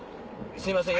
すいません